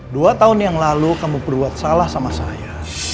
dua tahun yang lalu kamu berbuat salah sama saya